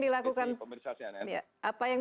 dilakukan apa yang